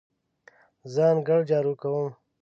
زه انګړ جارو کوم.